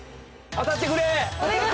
当たってくれ。